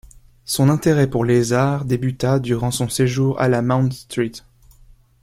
Son intérêt pour les arts débuta durant son séjour à la Mount St.